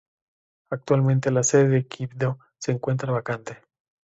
Actualmente la sede de Quibdó se encuentra vacante.